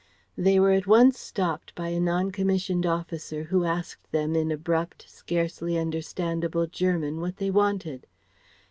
They were at once stopped by a non commissioned officer who asked them in abrupt, scarcely understandable German what they wanted.